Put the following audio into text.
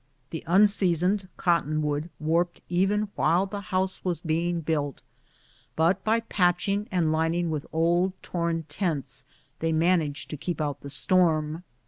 The unseasoned cotton wood warped even while the house was being built, but by patching and lining with old torn tents, they man aged to keep out the storm.